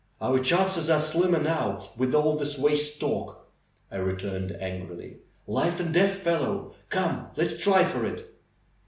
^^Our chances are slimmer now, with all this waste talk," I returned angrily. "^Life and death, fellow! Come, let's try for it!"